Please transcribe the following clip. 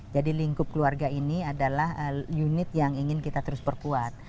jadi lingkup keluarga ini adalah unit yang ingin kita terus berkuat